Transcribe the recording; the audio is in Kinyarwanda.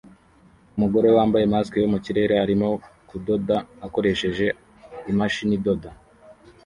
Umugore wambaye mask yo mu kirere arimo kudoda akoresheje imashini idoda